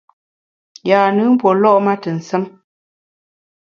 Yâ-nùn pue lo’ ma ntù nsùm.